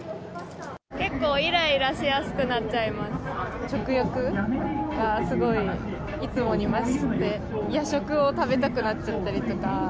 結構いらいらしやすくなっち食欲がすごい、いつもに増して、夜食を食べたくなっちゃったりとか。